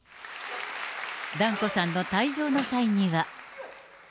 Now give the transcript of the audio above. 團子さんの退場の際には。